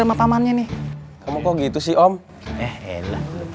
sama pamannya nih kamu kok gitu sih om eh eh tapi emang kelakuan tuh bocah kayak namanya rima